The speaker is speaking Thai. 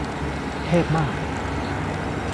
เทพมาก